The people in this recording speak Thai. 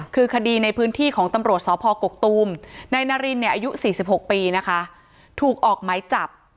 คือคดีในพื้นที่ของตำรวจสพกกตูมนายนารินเนี่ยอายุ๔๖ปีนะคะถูกออกไหมจับ